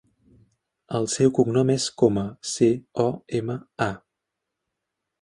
El seu cognom és Coma: ce, o, ema, a.